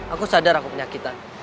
aku sadar aku penyakitan